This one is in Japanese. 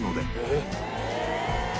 えっ！